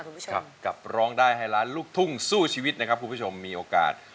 ครับกับร้องได้ให้ล้านลูกทุ่งสู้ชีวิตนะครับคุณผู้ชมมีโอกาส